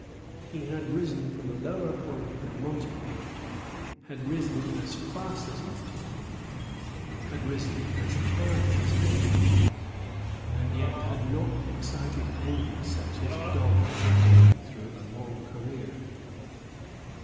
He had risen from a lower point than Montague, had risen as fast as Montague, had risen as high as Montague, and yet had not excited envy such as dogged Montague through a long career.